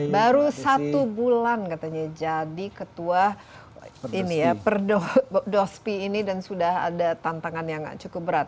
baru satu bulan katanya jadi ketua dospi ini dan sudah ada tantangan yang cukup berat